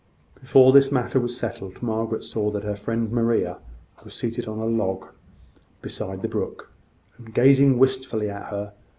Before this matter was settled, Margaret saw that her friend Maria was seated on a log beside the brook, and gazing wistfully at her.